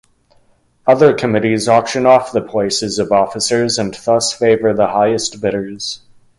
Other committees auction off the places of officers and thus favor the highest bidders.